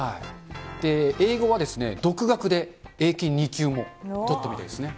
英語は独学で英検２級も取ったみたいですね。